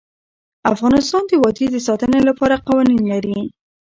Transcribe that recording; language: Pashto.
افغانستان د وادي د ساتنې لپاره قوانین لري.